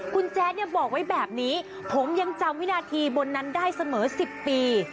คุณแจ๊ดเนี่ยบอกไว้แบบนี้ผมยังจำวินาทีบนนั้นได้เสมอ๑๐ปี